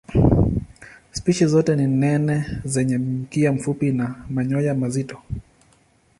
Spishi zote ni nene zenye mkia mfupi na manyoya mazito.